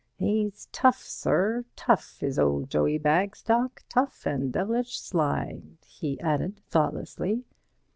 "'He's tough, sir, tough, is old Joey Bagstock, tough and devilish sly,' " he added, thoughtlessly.